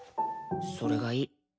それがいい。